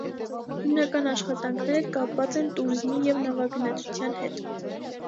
Հիմնական աշխատանքները կապված են տուրիզմի և նավագնացության հետ։